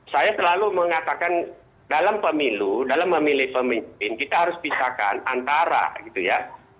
saya selalu mengatakan dalam pemilu dalam memilih pemimpin kita harus pisahkan antara gitu ya